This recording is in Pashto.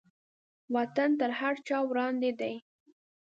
وطن تر هر چا وړاندې دی.